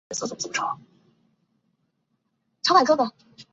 同志社大学是一所拥有强烈基督教传统的大学。